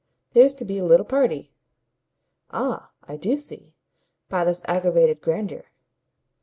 There's to be a little party." "Ah I do see by this aggravated grandeur."